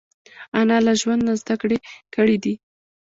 انا له ژوند نه زده کړې کړې دي